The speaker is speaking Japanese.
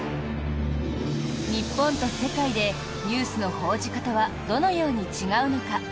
日本と世界でニュースの報じ方はどのように違うのか。